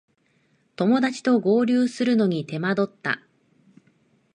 友だちと合流するのに手間取った